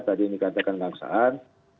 tadi ini katakan gang saan